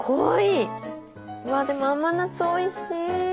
うわでも甘夏おいしい。